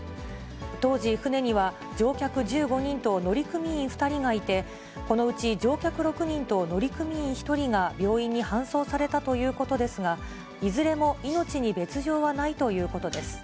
当時、船には乗客１５人と乗組員２人がいて、このうち乗客６人と乗組員１人が病院に搬送されたということですが、いずれも命に別状はないということです。